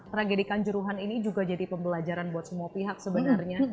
tragedi kanjuruhan ini juga jadi pembelajaran buat semua pihak sebenarnya